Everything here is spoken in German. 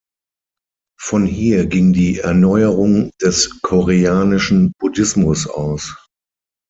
Von hier ging die Erneuerung des koreanischen Buddhismus aus.